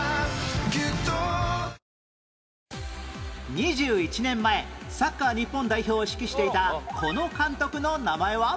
２１年前サッカー日本代表を指揮していたこの監督の名前は？